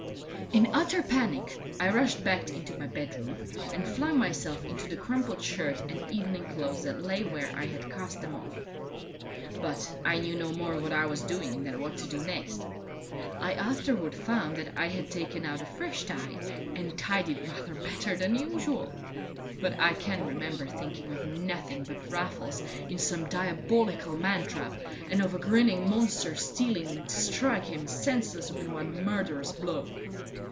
In utter panic I rushed back into my bedroom, and flung myself into the crumpled shirt and evening clothes that lay where I had cast them off. But I knew no more what I was doing than what to do next I afterward found that I had taken out a fresh tie, and tied it rather better than usual; but I can remember thinking of nothing but Raffles in some diabolical man trap, and of a grinning monster stealing in to strike him senseless with one murderous blow.